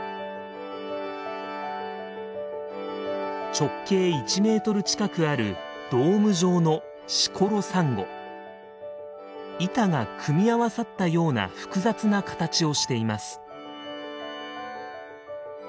直径１メートル近くあるドーム状の板が組み合わさったような複雑な形をしています。